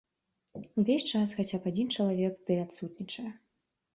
Увесь час хаця б адзін чалавек ды адсутнічае.